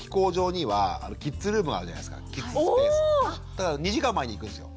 だから２時間前に行くんですよ。